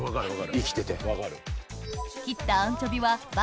生きてて。